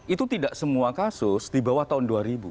itu tidak semua kasus dibawah tahun dua ribu